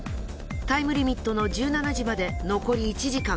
タイムリミットの１７時まで残り１時間。